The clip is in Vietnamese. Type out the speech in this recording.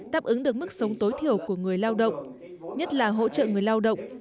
đáp ứng được mức sống tối thiểu của người lao động nhất là hỗ trợ người lao động